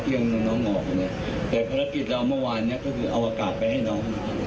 ยังน้องออกเนี่ยแต่ภารกิจเราเมื่อวานเนี้ยก็คือเอาอากาศไปให้น้อง